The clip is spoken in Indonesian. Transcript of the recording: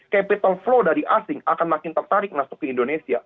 capital flow dari asing akan makin tertarik masuk ke indonesia